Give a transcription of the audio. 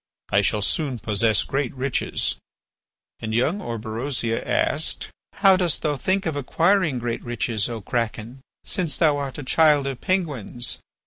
I shall soon possess great riches." And young Orberosia asked: "How dost thou think of acquiring great riches, O Kraken, since thou art a child of Penguins?"